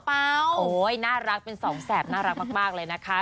โอ้โหน่ารักเป็นสองแสบน่ารักมากเลยนะคะ